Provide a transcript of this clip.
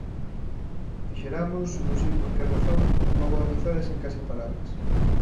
Fixeramos, non sei por que razón, unha boa amizade sen case palabras.